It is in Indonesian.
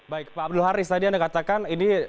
baik pak abdul haris tadi anda katakan ini